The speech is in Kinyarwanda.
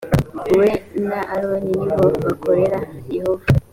we na aroni ni bo bakorera yehova